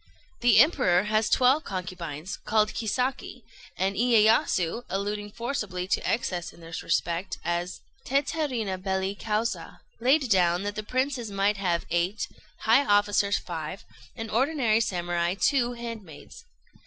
The Emperor has twelve concubines, called Kisaki; and Iyéyasu, alluding forcibly to excess in this respect as teterrima belli causa, laid down that the princes might have eight, high officers five, and ordinary Samurai two handmaids.